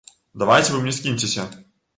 Давайце вы мне скіньцеся.